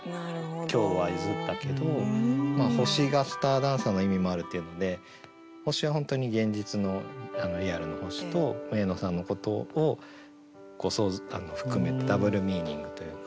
今日は譲ったけど星がスターダンサーの意味もあるっていうので星は本当に現実のリアルの星と上野さんのことを含めてダブルミーニングというか。